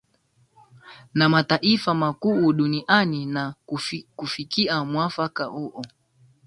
na mataifa makuu duniani na kufikia mwafaka huo